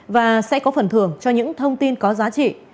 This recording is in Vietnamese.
và sẽ có phần thưởng cho những thông tin có giá trị